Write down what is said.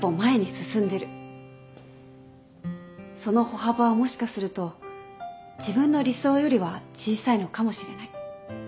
その歩幅はもしかすると自分の理想よりは小さいのかもしれない。